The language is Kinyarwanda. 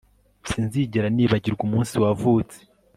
sinzigera nibagirwa umunsi wavutse